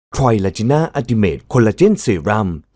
ทรายลาจินาอาติเมตคอลลาเจนซีรัม